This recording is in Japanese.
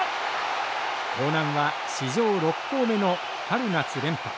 興南は史上６校目の春夏連覇。